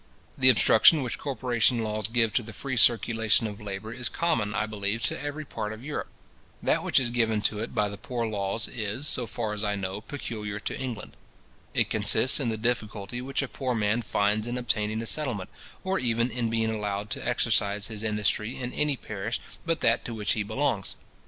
The obstruction which corporation laws give to the free circulation of labour is common, I believe, to every part of Europe. That which is given to it by the poor laws is, so far as I know, peculiar to England. It consists in the difficulty which a poor man finds in obtaining a settlement, or even in being allowed to exercise his industry in any parish but that to which he belongs.